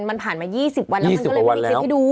มันผ่านมา๒๐วันแล้วมันก็เลยไม่มีคลิปให้ดู